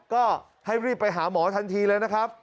ก็ให้รีบไปหาหมอทันทีเลยนะครับ